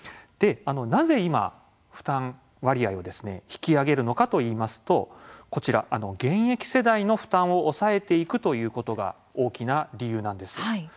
なぜ今、負担割合を引き上げるのかといいますと現役世代の負担を抑えていくということが大きな理由なんです。